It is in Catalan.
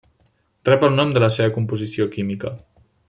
Rep el nom de la seva composició química.